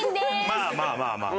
まあまあまあまあ。